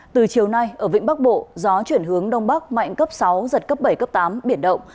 từ chiều nay ở vĩnh bắc bộ gió chuyển hướng đông bắc mạnh cấp sáu giật cấp bảy cấp tám biển động